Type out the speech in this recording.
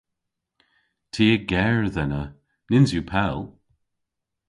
Ty a gerdh ena. Nyns yw pell.